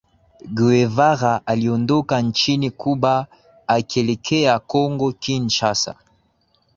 Guevara aliondoka nchini Cuba akielekea Kongo Kinshasa